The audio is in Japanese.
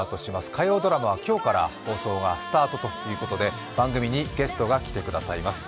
火曜ドラマは今日から放送がスタートということで番組にゲストが来てくださいます。